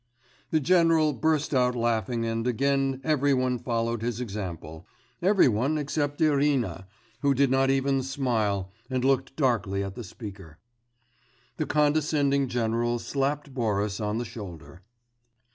The general burst out laughing and again every one followed his example every one except Irina, who did not even smile and looked darkly at the speaker. The condescending general slapped Boris on the shoulder.